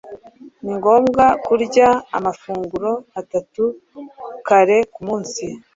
Ni ngombwa kurya amafunguro atatu kare kumunsi.